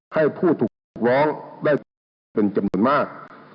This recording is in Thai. ให้ผู้ถูกร้องได้เป็นจำนวนมาก